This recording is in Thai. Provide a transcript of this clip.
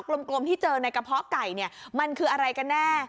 กลมที่เจอในกระเพาะไก่เนี่ยมันคืออะไรกันแน่